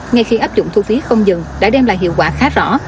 ngay khi áp dụng thu phí không dừng đã đem lại hiệu quả khá rõ